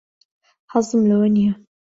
حەزم لەوە نییە.